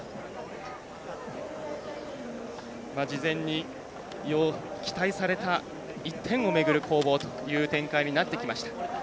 事前に期待された１点をめぐる攻防という展開になってきました。